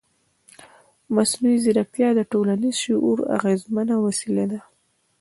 مصنوعي ځیرکتیا د ټولنیز شعور اغېزمنه وسیله ده.